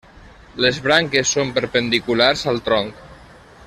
Les branques són perpendiculars al tronc.